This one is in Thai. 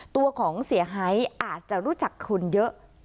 ตัวของเสียหายอาจจะรู้จักคนเยอะ